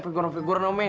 figuran figuran om ya